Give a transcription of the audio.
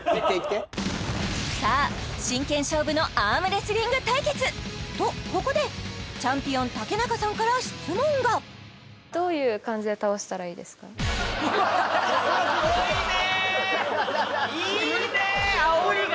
真剣勝負のアームレスリング対決とここでチャンピオン竹中さんから質問がすごいね！